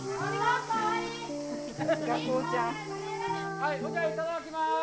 はいそれじゃいただきます。